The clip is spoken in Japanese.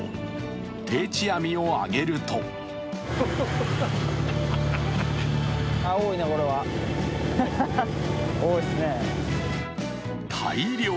定置網を上げると大漁。